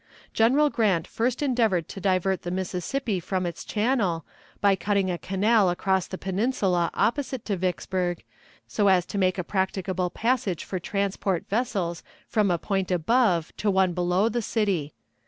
General Grant first endeavored to divert the Mississippi from its channel, by cutting a canal across the peninsula opposite to Vicksburg, so as to make a practicable passage for transport vessels from a point above to one below the city.